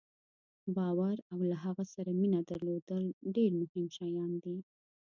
باور او له هغه سره مینه درلودل ډېر مهم شیان دي.